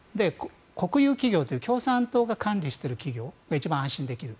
国有企業という共産党が管理している企業が一番安心できる。